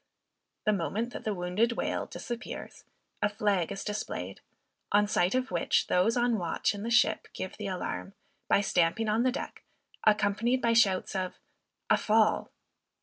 The moment that the wounded whale disappears, a flag is displayed; on sight of which, those on watch in the ship, give the alarm, by stamping on the deck, accompanied by shouts of "a fall."